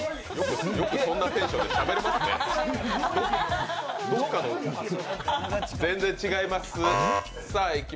よくそんなテンションでしゃべれますね、全然違います。